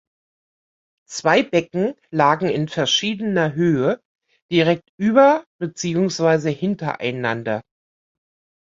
Zwei Becken lagen in verschiedener Höhe direkt über- beziehungsweise hintereinander.